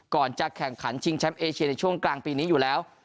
ก่อนจะแข่งขันชิงแชมป์เอเชียในช่วงกลางปีนี้อยู่แล้ว